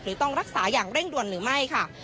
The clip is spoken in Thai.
ต้องรักษาอย่างเร่งด่วนหรือไม่ค่ะ